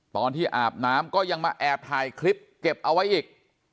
ตอนที่อาบน้ำก็ยังมาแอบถ่ายคลิปเก็บเอาไว้อีก